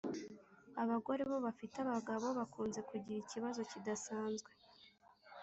abagore bo bafite abagabo bakunze kugira ikibazo kidasanzwe